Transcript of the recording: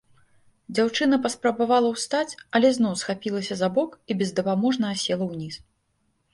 Дзяўчына паспрабавала ўстаць, але зноў схапілася за бок і бездапаможна асела ўніз.